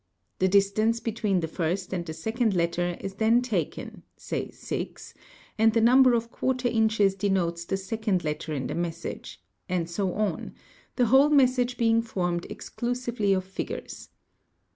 The distance between the first and the second "letter is then taken (say 6) and the number of quarter inches denotes the "second letter in the message, and so on, the whole message being formed lusively of figures.